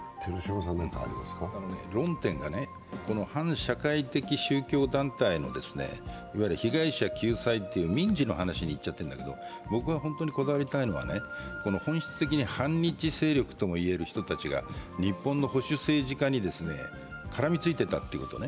論点が、反社会的宗教団体のいわゆる被害者救済という民事の話にいっちゃってるんだけど僕は本当にこだわりたいのは、本質的に反日勢力と言われる人たちが日本の保守政治家に絡みついていたということね。